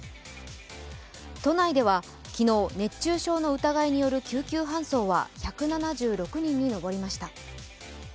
都内では昨日、熱中症の疑いによる救急搬送は１７６人に上りました。